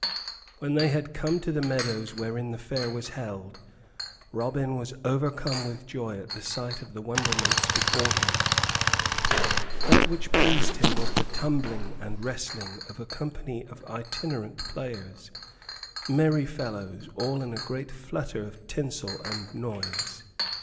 When they had come to the meadows wherein the Fair was held, Robin was overcome with joy at the sight of the wonderments before him. That which most pleased him was the tumbling and wrestling of a company of itinerant players, merry fellows, all in a great flutter of tinsel and noise.